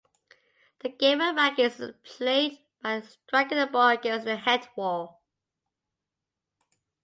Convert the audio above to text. The game of rackets is played by striking a ball against a headwall.